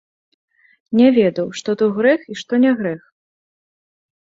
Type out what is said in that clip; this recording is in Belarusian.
Не ведаў, што тут грэх і што не грэх.